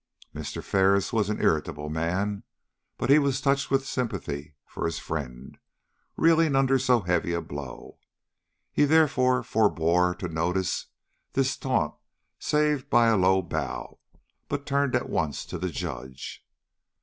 Mr. Ferris was an irritable man, but he was touched with sympathy for his friend, reeling under so heavy a blow. He therefore forbore to notice this taunt save by a low bow, but turned at once to the Judge.